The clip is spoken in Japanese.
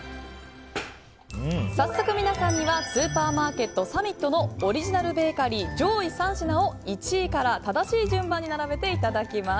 早速、皆さんにはスーパーマーケットサミットのオリジナルベーカリー上位３品を１位から正しい順番に並べていただきます。